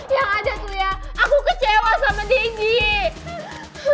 yang ada tuh ya aku kecewa sama digic